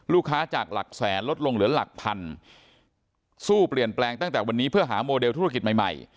จากหลักแสนลดลงเหลือหลักพันสู้เปลี่ยนแปลงตั้งแต่วันนี้เพื่อหาโมเดลธุรกิจใหม่ใหม่